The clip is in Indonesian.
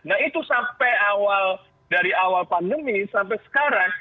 nah itu sampai awal dari awal pandemi sampai sekarang